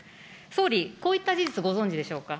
総理、こういった事実、ご存じでしょうか。